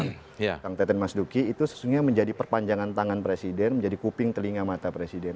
kang teten mas duki itu sesungguhnya menjadi perpanjangan tangan presiden menjadi kuping telinga mata presiden